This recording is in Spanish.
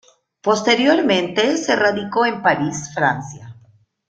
Posteriormente se radicó en París, Francia.